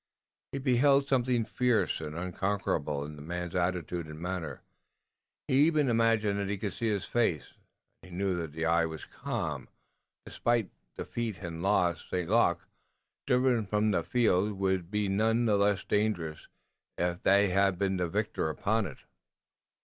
He beheld something fierce and unconquerable in the man's attitude and manner. He even imagined that he could see his face, and he knew that the eye was calm, despite defeat and loss. St Luc, driven from the field, would be none the less dangerous than if he had been victor upon it.